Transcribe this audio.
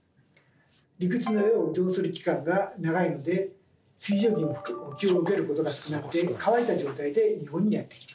陸地の上を移動する期間が長いので水蒸気の補給を受けることが少なくて乾いた状態で日本にやってきます。